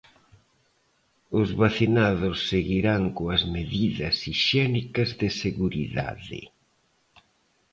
Os vacinados seguirán coas medidas hixiénicas de seguridade.